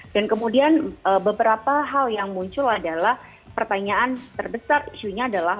dan kemudian beberapa hal yang muncul adalah pertanyaan terbesar isunya adalah